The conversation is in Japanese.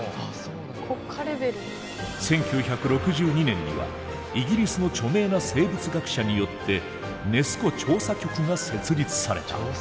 １９６２年にはイギリスの著名な生物学者によってネス湖調査局が設立された。